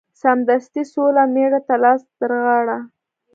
سمدستي سوله مېړه ته لاس ترغاړه